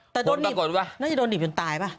แต่โดนหนีบน่าจะโดนหนีบจนตายป่ะ